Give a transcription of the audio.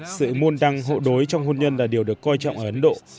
sự môn đăng hộ đối trong hôn nhân là điều được coi trọng ở ấn độ